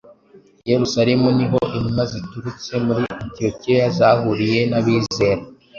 I Yerusalemu ni ho intumwa zituritse muri Antiyokiya zahuriye n’abizera